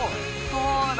そうだ！